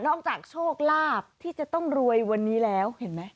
นอกจากโชคราบที่จะต้องรวยวันนี้แล้ว